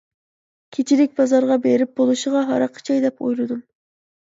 كېچىلىك بازارغا بېرىپ بولۇشىغا ھاراق ئىچەي دەپ ئويلىدىم.